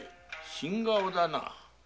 新顔だな。